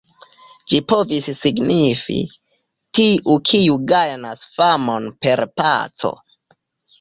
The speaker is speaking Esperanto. Ĝi povis signifi: "tiu, kiu gajnas famon per paco".